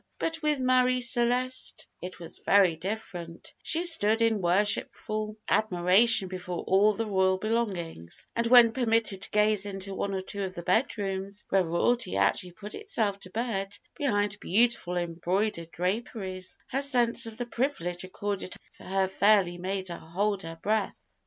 But with Marie Celeste it was very different, She stood in worshipful admiration before all the royal belongings, and when permitted to gaze into one or two of the bedrooms where royalty actually put itself to bed, behind beautiful embroidered draperies, her sense of the privilege accorded her fairly made her hold her breath.